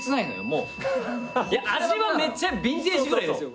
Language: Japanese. もういや味はめっちゃビンテージぐらいですよ